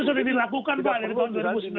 sudah dilakukan pak dari tahun dua ribu sembilan belas